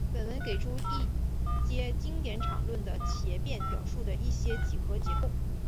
本文给出一阶经典场论的协变表述的一些几何结构。